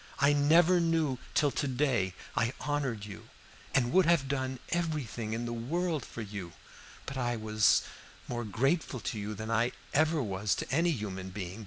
I never knew till to day I honored you and would have done everything in the world for you, and I was more grateful to you than I ever was to any human being.